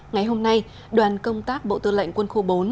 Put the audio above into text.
ngày hôm nay đoàn công tác bộ tư lệnh quân khu bốn